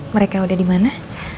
mereka udah dimana